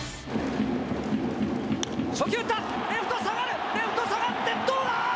初球打った、レフト下がる、レフト下がって、どうだ？